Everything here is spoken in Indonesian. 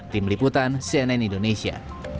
tim liputan cnn indonesia